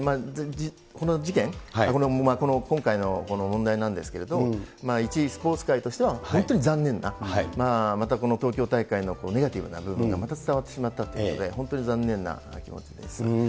この事件、この今回のこの問題なんですけれども、いちスポーツ界としては本当に残念な、またこの東京大会のネガティブな部分がまた伝わってしまったということで、本当に残念な気持ちです。